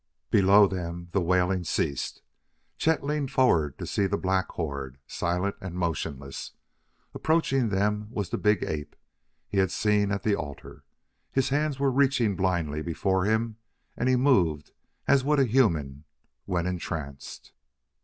Below them the wailing ceased. Chet leaned forward to see the black horde, silent and motionless. Approaching them was the "big ape" he had seen at the altar. His hands were reaching blindly before him and he moved as would a human when entranced.